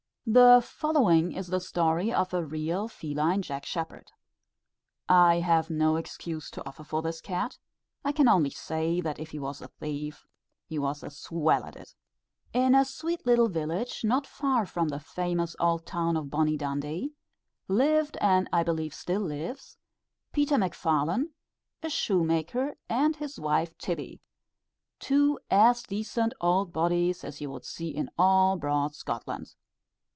The following is the story of a real feline Jack Sheppard, I have no excuse to offer for this cat; I can only say that if he was a thief, he was a swell at it. In a sweet little village not far from the famous old town of bonnie Dundee, lived, and I believe still lives, Peter McFarlane, a shoemaker, and his wife Tibbie; two as decent old bodies as you would see in all broad Scotland.